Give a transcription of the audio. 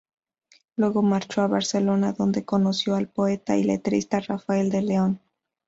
Luego marchó a Barcelona donde conoció al poeta y letrista Rafael de León.